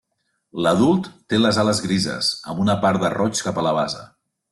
L'adult té les ales grises amb una part de roig cap a la base.